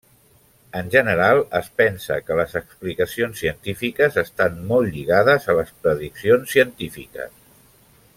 En general es pensa que les explicacions científiques estan molt lligades a les prediccions científiques.